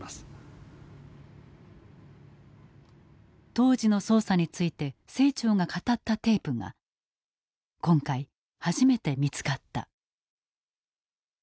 当時の捜査について清張が語ったテープが今回初めて見つかった。